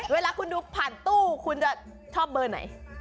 เวลาคุณดูผ่านตู้คุณจะชอบเบอร์ไหน